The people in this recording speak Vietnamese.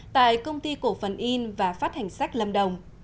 tại công ty cổ phần in và phát hành sách lâm đồng